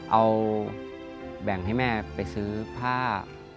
เอาแบ่งให้แม่ไปซื้อผ้า